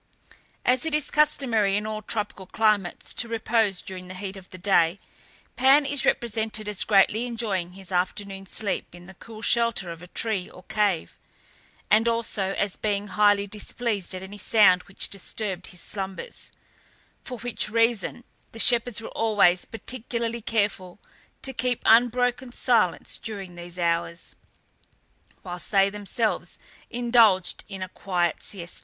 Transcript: As it is customary in all tropical climates to repose during the heat of the day, Pan is represented as greatly enjoying his afternoon sleep in the cool shelter of a tree or cave, and also as being highly displeased at any sound which disturbed his slumbers, for which reason the shepherds were always particularly careful to keep unbroken silence during these hours, whilst they themselves indulged in a quiet siesta.